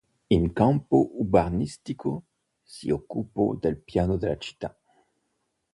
In campo urbanistico si occupò del piano della città.